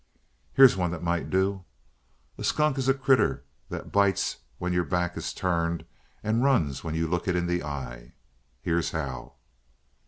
"Here's one that might do. A skunk is a critter that bites when your back is turned and runs when you look it in the eye. Here's how!"